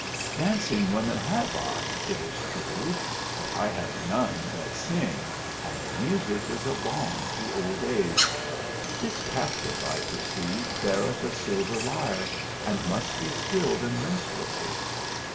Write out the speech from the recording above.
" Dancing women, have I, it is true ; but I have none that sing ; and music is a balm to old age. This captive, I perceive, beareth a s ilver lyre, and must be skilled in minstrelsy.